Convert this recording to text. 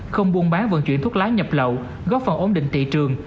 không buôn bán vận chuyển thuốc lá nhập lậu góp phần ổn định thị trường